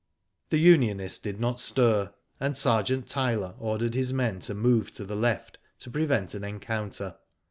The unionists did not stir, and Sergeant Tyler ordered his men to move to the left to prevent an encounter.